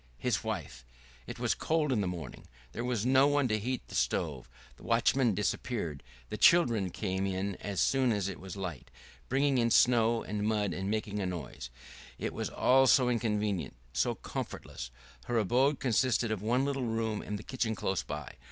His wife? It was cold in the morning, there was no one to heat the stove, the watchman disappeared; the children came in as soon as it was light, bringing in snow and mud and making a noise: it was all so inconvenient, so comfortless. Her abode consisted of one little room and the kitchen close by.